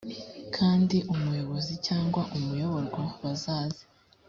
kandi umuyobozi cyangwa umuyoborwa bazaze